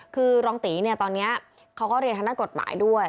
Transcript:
คือรองตีตอนนี้เขาก็เรียนทางนักกฎหมายด้วย